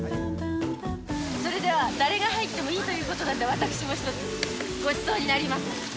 それでは誰が入ってもいいということなんで、私も一つごちそうになります。